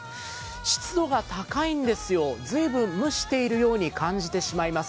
湿度が高いんですよ、随分蒸しているように感じてしまいます。